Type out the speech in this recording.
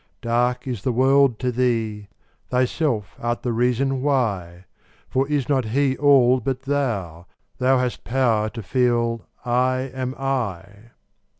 Dark is the world to thee: thyself art the reason why; For is He not all but thou, that hast power to feel 'I am I'?